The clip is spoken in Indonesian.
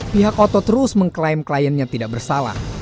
pihak otot terus mengklaim kliennya tidak bersalah